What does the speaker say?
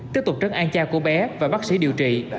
tiếp tục trấn an cha của bé và bác sĩ điều trị